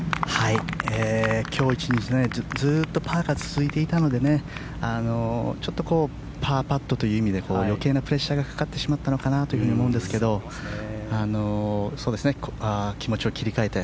今日１日ずっとパーが続いていたのでちょっとパーパットという意味で余計なプレッシャーがかかってしまったのかなと思うんですけど気持ちを切り替えて